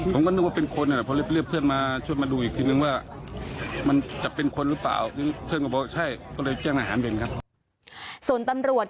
ก็สันนิษฐานนะคะว่าสบหญิงชาวจีนรายนี้